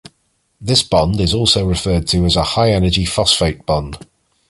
This bond is also referred to as a high-energy phosphate bond.